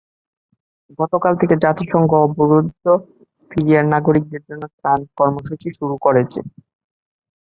গতকাল থেকেই জাতিসংঘ অবরুদ্ধ সিরিয়ার নাগরিকদের জন্য ত্রাণ কর্মসূচি শুরু করেছে।